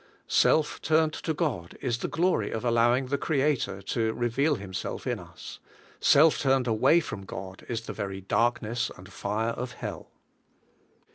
Self turned to God is the glory of allowing the Creator to reveal Himself in us. Self turned away from God is the very darkness and fire of hell.